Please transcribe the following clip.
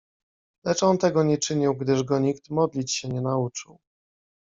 "Lecz on tego nie czynił, gdyż go nikt modlić się nie nauczył."